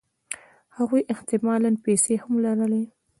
هغوی احتمالاً پیسې هم لرلې